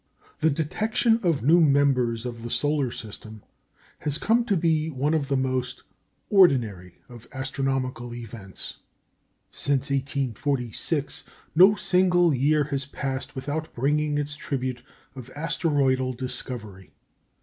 The detection of new members of the solar system has come to be one of the most ordinary of astronomical events. Since 1846 no single year has passed without bringing its tribute of asteroidal discovery.